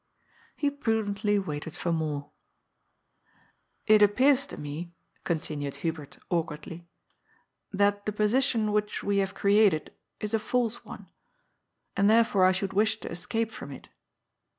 He prudently waited for more. " It appears to me," continued Hubert awkwardly, " that the position which we have created is a false one. And therefore I should wish to escape from it."